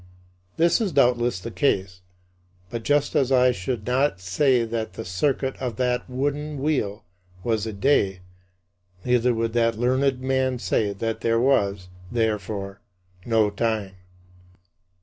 " This is doubtless the case, but just as I should not say that the circuit of that wooden wheel was a day, neither would that learned man say that there was, therefore, no time.